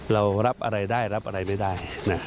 เรารับอะไรได้รับอะไรไม่ได้